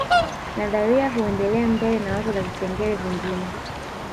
Nadharia huendelea mbele na wazo la vipengele vingine